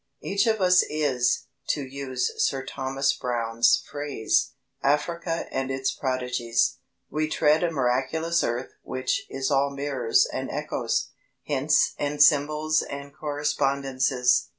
Each of us is, to use Sir Thomas Browne's phrase, Africa and its prodigies. We tread a miraculous earth which is all mirrors and echoes, hints and symbols and correspondences.